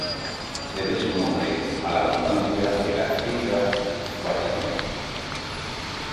Debe su nombre a la abundancia de la "chilca" "baccharis".